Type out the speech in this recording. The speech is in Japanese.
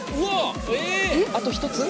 あと１つ？